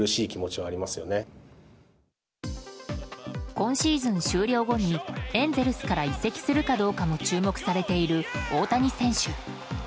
今シーズン終了後にエンゼルスから移籍するかどうかも注目されている大谷選手。